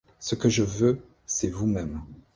Ce que je veux, c'est vous-même